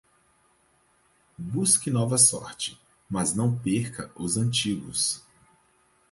Busque nova sorte, mas não perca os antigos.